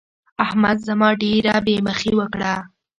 احمد زما ډېره بې مخي وکړه.